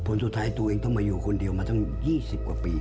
ผลสุดท้ายตัวเองต้องมาอยู่คนเดียวมาตั้ง๒๐กว่าปี